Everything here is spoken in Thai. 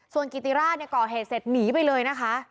ส่วนกิติราชก่อเหตุเสร็จหนีไปเลยนะคะ